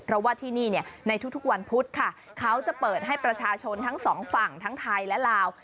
เพราะว่าที่นี่ในทุกวันพุธค่ะเขาจะเปิดให้ประชาชนทั้งสองฝั่งทั้งไทยและลาว